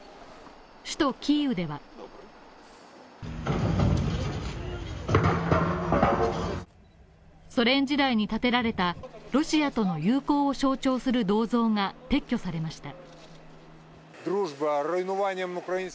首都キーウではソ連時代に建てられたロシアとの友好を象徴する銅像が撤去されました。